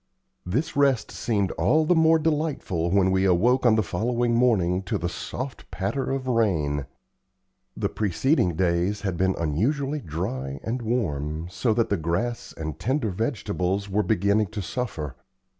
This rest seemed all the more delightful when we awoke on the following morning, to the soft patter of rain. The preceding days had been unusually dry and warm, so that the grass and tender vegetables were beginning to suffer.